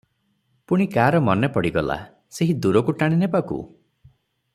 ପୁଣି କାର ମନେ ପଡ଼ିଗଲା- ସେହି ଦୂରକୁ ଟାଣି ନେବାକୁ?